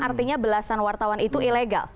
artinya belasan wartawan itu ilegal